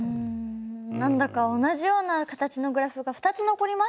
何だか同じような形のグラフが２つ残りましたね。